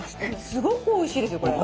すごくおいしいですよこれ。